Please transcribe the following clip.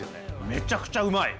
めちゃくちゃうまい！